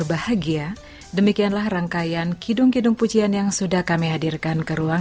bila aku sangat murung